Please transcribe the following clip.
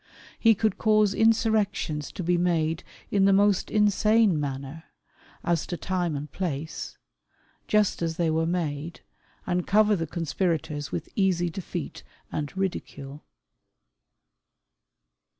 He could cause insurrections to be made in the most insane manner, as to time and place, just as they were made, and cover the conspirators with easy defeat and ridicule.